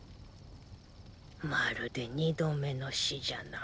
まるで２度目の死じゃな。